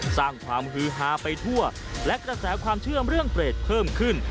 สร้างความฮือฮาไปทั่วและกระแสความเชื่อมเรื่องเปรตเพิ่มขึ้น